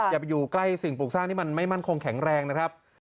อย่าไปอยู่ใกล้สิ่งปลูกสร้างที่มันไม่มั่นคงแข็งแรงนะครับ